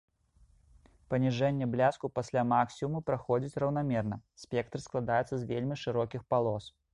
Паніжэнне бляску пасля максімуму праходзіць раўнамерна, спектры складаюцца з вельмі шырокіх палос.